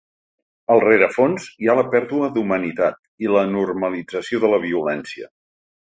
Al rerefons, hi ha la pèrdua d’humanitat i la normalització de la violència.